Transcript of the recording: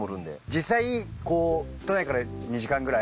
実際都内から２時間ぐらい？